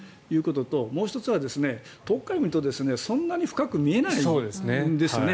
もう１つは遠くから見るとそんなに深く見えないんですね。